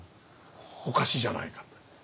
おかしいじゃないかって。